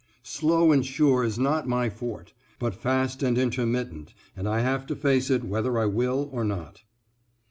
Slow and sure is not my forte, but fast and intermittent, and I have to face it whether I will or not.